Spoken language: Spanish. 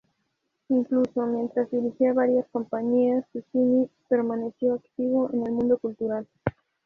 Incluso mientras dirigía varias compañías, Susini permaneció activo en el mundo cultural.